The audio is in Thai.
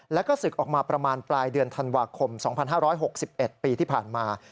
แล้วก็ศึกออกมาประมาณปลายเดือนธันวาคม๒๕๖๑ปีที่ผ่านมา